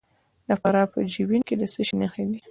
د فراه په جوین کې د څه شي نښې دي؟